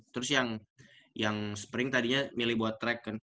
terus yang yang spring tadinya milih buat track kan